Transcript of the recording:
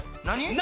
何？